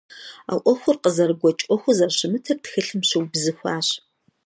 А Ӏуэхур къызэрыгуэкӀ Ӏуэхуу зэрыщымытыр тхылъым щыубзыхуащ.